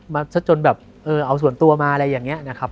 ซะจนแบบเออเอาส่วนตัวมาอะไรอย่างนี้นะครับ